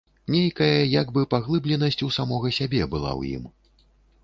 Нейкая як бы паглыбленасць у самога сябе была ў ім.